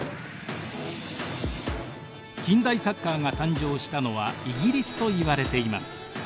近代サッカーが誕生したのはイギリスといわれています。